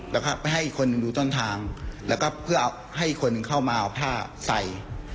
แล้วก็ไปให้อีกคนหนึ่งดูต้นทางแล้วก็เพื่อเอาให้อีกคนหนึ่งเข้ามาเอาผ้าใส่